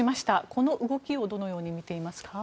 この動きをどのように見ていますか。